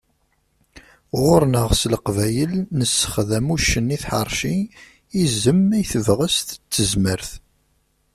Ɣur-neγ s Leqbayel, nessexdam uccen i tḥerci, izem i tebγest d tezmert.